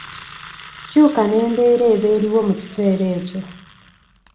Kyuka n’embeera eba eriwo mu kiseera ekyo.